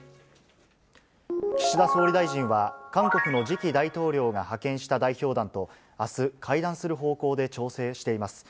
岸田総理大臣は、韓国の次期大統領が派遣した代表団とあす、会談する方向で調整しています。